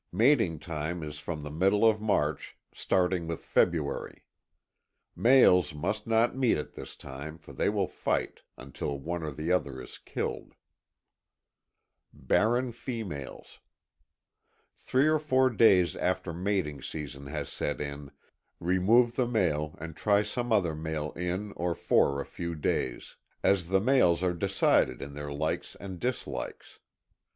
Mating time is from the middle of March, starting with February. Males must not meet at this time for they will fight, until one or the other is killed. 17.ŌĆöBarren Females. Three or four days after mating season has set in, remove the male and try some other male in, or for a few days. As the males are decided in their likes and dislikes.